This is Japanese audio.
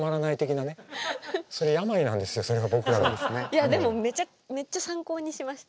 いやでもめっちゃ参考にしました。